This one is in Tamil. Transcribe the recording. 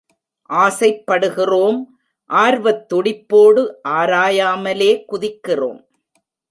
ஆசைபடுகிறோம், ஆர்வத் துடிப்போடு ஆராயாமலே குதிக்கிறோம்.